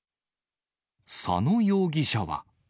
佐野容疑者は。